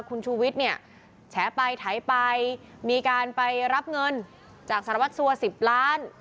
คุณชูวิทย์เนี่ยแฉไปไถไปมีการไปรับเงินจากสารวัตรสัว๑๐ล้าน